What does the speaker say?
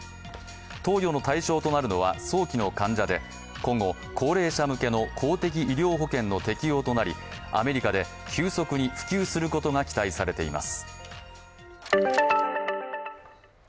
投与の対象となるのは早期の患者で、今後、高齢者向けの公的医療保険の適用となりアメリカで急速に普及することが期待されています。